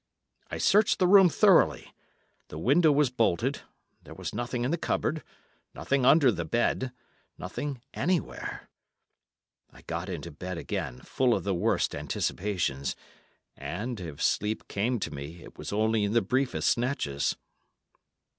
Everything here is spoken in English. I searched the room thoroughly; the window was bolted; there was nothing in the cupboard; nothing under the bed; nothing anywhere. I got into bed again, full of the worst anticipations, and, if sleep came to me, it was only in the briefest snatches.